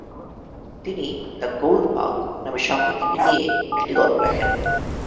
তিনি “the gold bug” নামে সংকেতলিপি নিয়ে একটি গল্প লেখেন।